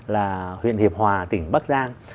là huyện hiệp hòa tỉnh bắc giang